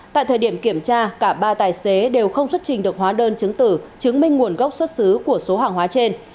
tại thời điểm kiểm tra cả ba tài xế đều không xuất trình được hóa đơn chứng tử chứng minh nguồn gốc xuất xứ của số hàng hóa trên